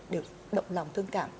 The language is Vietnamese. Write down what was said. được động lòng thương cảm